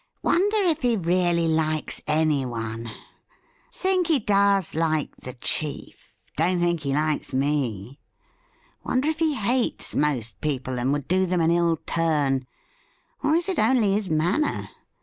' Wonder, if he really likes anyone ? Think he does Kke the chief. Don't think he likes me. Wonder if he hates most people, and would do them an ill turn— or is it only his manner ?